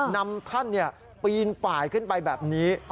นำท่านปีนป่ายขึ้นไปแบบนี้